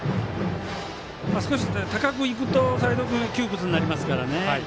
少し高くいくと齋藤君が窮屈になりますからね。